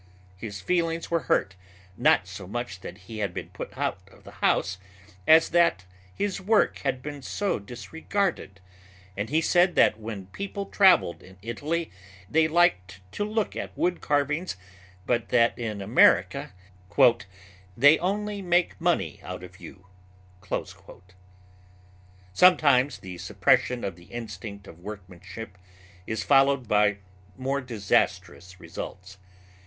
His feelings were hurt, not so much that he had been put out of his house, as that his work had been so disregarded; and he said that when people traveled in Italy they liked to look at wood carvings but that in America "they only made money out of you." Sometimes the suppression of the instinct of workmanship is followed by more disastrous results.